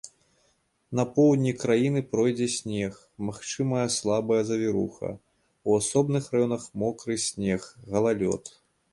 На поўдні краіны пройдзе снег, магчымая слабая завіруха, у асобных раёнах мокры снег, галалёд.